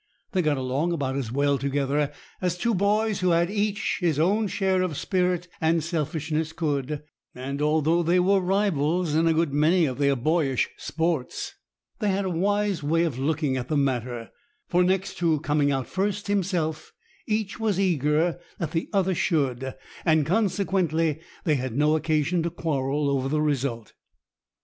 They got along about as well together as two boys who had each his own share of spirit and selfishness could; and although they were rivals in a good many of their boyish sports, they had a wise way of looking at the matter, for, next to coming out first himself, each was eager that the other should, and consequently they had no occasion to quarrel over the result.